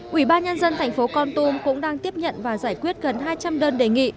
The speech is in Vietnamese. quỹ ba nhân dân thành phố con tum cũng đang tiếp nhận và giải quyết gần hai trăm linh đơn đề nghị